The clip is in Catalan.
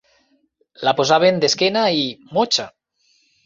La posaven d'esquena, i... motxa